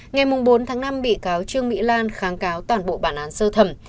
ngày bốn tháng năm bị cáo trương mỹ lan kháng cáo toàn bộ bản án sơ thẩm